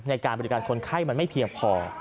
ในการบริการคนไข้มันไม่เพียงพอ